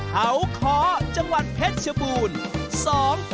๑เผาขอจังหวันเพชรชบูรณ์